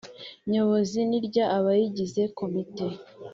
Nyobozi nirya abayigize komite